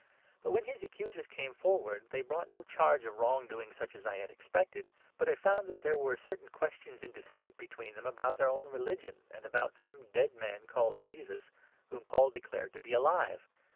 But, when his accusers came forward, they brought 18 no charge of wrong doing such as I had expected ; but I found 19 that there were certain questions in dispute between them about their own religion, and about some dead man called Jesus, whom Paul declared to be alive.